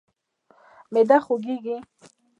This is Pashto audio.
معده د خوږیږي؟